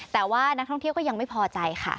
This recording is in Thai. แต่ว่านักท่องเที่ยวก็ยังไม่พอใจค่ะ